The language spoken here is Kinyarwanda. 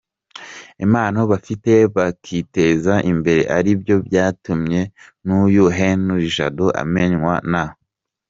impano bafite bakiteza imbere ari byo byatumye nuyu Henri Jado amenywa na.